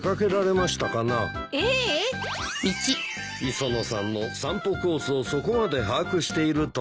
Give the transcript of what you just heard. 磯野さんの散歩コースをそこまで把握しているとは。